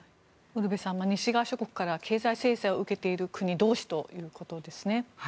ウルヴェさん西側諸国から経済制裁を受けている国同士ということですね。